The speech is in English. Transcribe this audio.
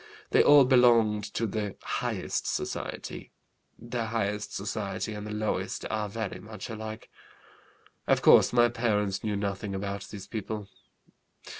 They all belonged to the highest society. The highest society and the lowest are very much alike. Of course my parents knew nothing about these people.